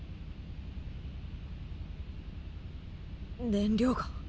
燃料が。